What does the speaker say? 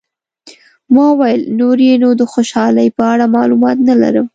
ما وویل، نور یې نو د خوشحالۍ په اړه معلومات نه لرم.